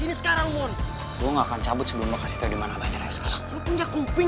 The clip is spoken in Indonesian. takut cepet gue kasi tau di mana abahnya raya sekarang